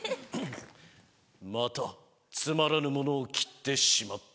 「またつまらぬものを斬ってしまった」。